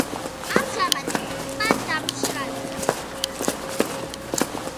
ამჟამად ტბა დამშრალია.